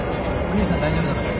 お兄さんは大丈夫だから。